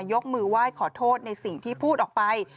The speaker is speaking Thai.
ยกมือไหว้ขอโทษในสิ่งที่พูดออกไป